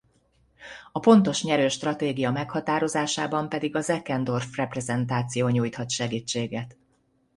A pontos nyerő stratégia meghatározásában pedig a Zeckendorf-reprezentáció nyújthat segítséget.